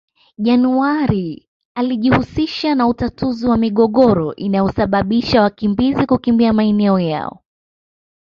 January alijihusisha na utatuzi wa migogoro inayosabababisha wakimbizi kukimbia maeneo yao